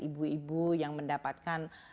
ibu ibu yang mendapatkan